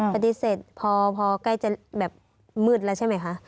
ปฏิเสธพอใกล้จะแบบมืดแล้วใช่ไหมคะ